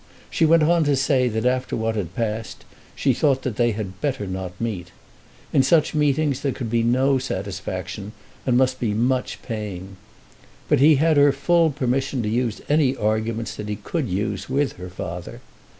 She went on to say that after what had passed she thought that they had better not meet. In such meetings there could be no satisfaction, and must be much pain. But he had her full permission to use any arguments that he could use with her father.